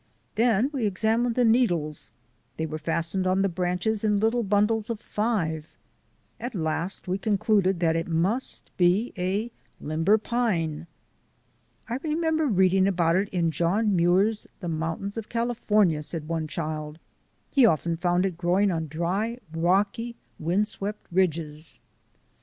Then we ex amined the needles; they were fastened on the branches in little bundles of five. At last we con cluded that it must be a limber pine. "I remember reading about it in John Muir's 'The Mountains of California/" said one child. "He often found it growing on dry, rocky, wind swept ridges."